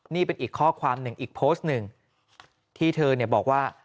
นี่เป็นอีกข้อความหนึ่งอีกโพสต์หนึ่งที่เธอบอกว่า